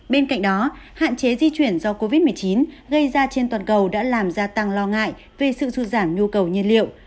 bên cạnh đó hạn chế di chuyển do covid một mươi chín gây ra trên toàn cầu đã làm gia tăng lo ngại về sự xuất giảm nhu cầu nhiên liệu